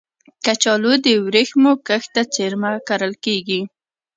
کچالو د ورېښمو کښت ته څېرمه کرل کېږي